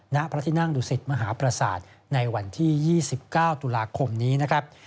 ณพระที่นั่งดุสิตมหาประสาทในวันที่๒๙ตุลาคมนี้นะครับ